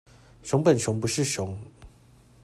熊本熊不是熊